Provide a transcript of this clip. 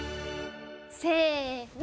せの！